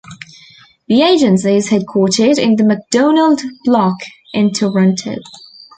The agency is headquartered in the Macdonald Block in Toronto.